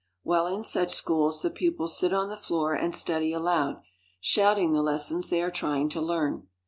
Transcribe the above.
While in such schools the pupils sit on the floor and study aloud, shouting the lessons they are trying to learn.